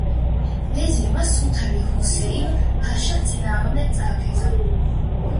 ვეზირმა სულთანი ჰუსეინ-ფაშას წინააღმდეგ წააქეზა.